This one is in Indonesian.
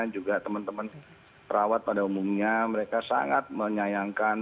juga teman teman perawat pada umumnya mereka sangat menyayangkan